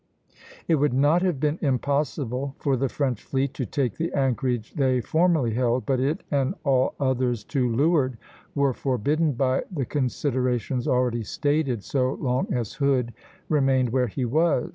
It would not have been impossible for the French fleet to take the anchorage they formerly held; but it and all others to leeward were forbidden by the considerations already stated, so long as Hood remained where he was.